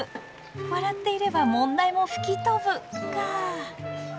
笑っていれば問題も吹き飛ぶか。